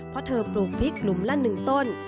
เพราะเธอปลูกพริกหลุมละ๑ต้น